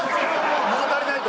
物足りないと？